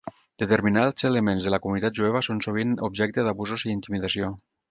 Determinats elements de la comunitat jueva són sovint objecte d'abusos i intimidació.